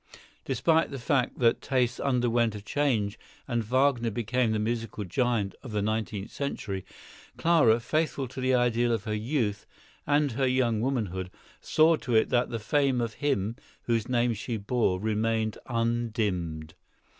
Despite the fact that tastes underwent a change and Wagner became the musical giant of the nineteenth century, Clara, faithful to the ideal of her youth and her young womanhood, saw to it that the fame of him whose name she bore remained undimmed.